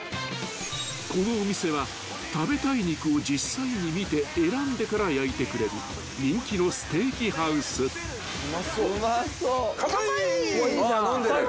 ［このお店は食べたい肉を実際に見て選んでから焼いてくれる人気のステーキハウス］は。